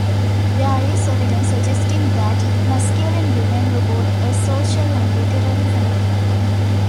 There is evidence suggesting that masculine women were both a social and literary phenomenon.